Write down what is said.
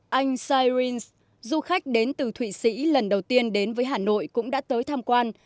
anh sirens du khách đến từ thụy sĩ lần đầu tiên đến với hà nội cũng đã tới tham quan